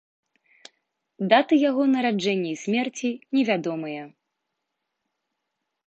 Даты яго нараджэння і смерці невядомыя.